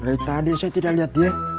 dari tadi saya tidak lihat dia